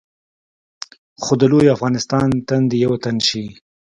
خو د لوی افغانستان تن دې یو تن شي.